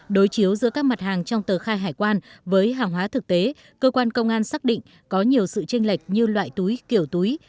đối chiếu giữa các mặt hàng trong tờ khai hải quan với hàng hóa thực tế cơ quan công an xác định có nhiều sự tranh lệch như loại túi kiểu túi